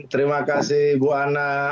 terima kasih bu hana